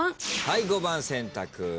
はい５番選択。